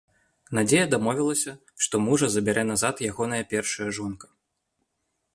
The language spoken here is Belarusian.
Надзея дамовілася, што мужа забярэ назад ягоная першая жонка.